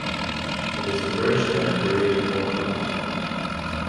It is the first Manipuri folk film.